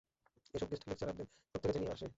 এসব গেস্ট লেকচারারদের কোত্থেকে যে নিয়ে আসে!